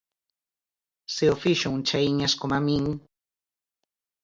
Se o fixo un chaíñas coma min...